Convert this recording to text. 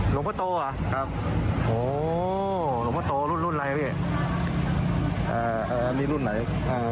หลวงพะโตอ่ะครับโหหลวงพะโตรุ่นรุ่นไรพี่อ่าอ่า